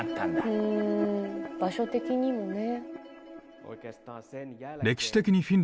うん場所的にもね。